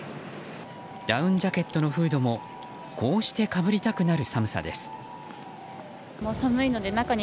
ダウンジャケットのフードもこうしてかぶりたくなる寒さです。